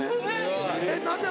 えっ何でや？